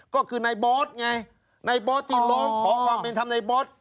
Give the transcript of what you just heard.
ก็คือนายบอสไงนายบอสที่ร้องขอความเป็นธรรมในบอส